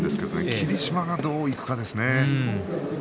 霧島がどういくかですね。